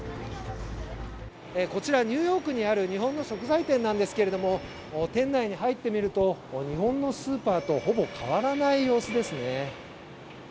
こちら、ニューヨークにある日本の食材店なんですけれども、店内に入ってみると、日本のスーパーとほぼ変わらない様子ですね。